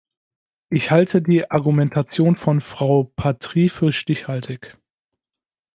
Ich halte die Argumentation von Frau Patrie für stichhaltig.